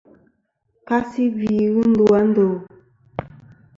Kasi gvi ghɨ ndu a ndo.